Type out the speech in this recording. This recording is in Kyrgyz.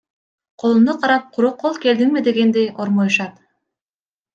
Колумду карап, куру кол келдиңби дегендей ормоюшат.